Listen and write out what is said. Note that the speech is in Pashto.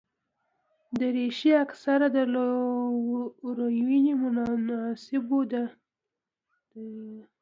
دریشي اکثره د لورینو مناسبو ده.